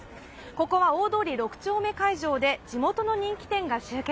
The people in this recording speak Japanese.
ここは大通り６丁目会場で地元の人気店が集結。